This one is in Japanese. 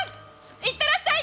行ってらっしゃい！